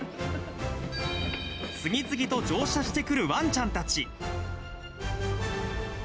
次々と乗車してくるわんちゃんたち。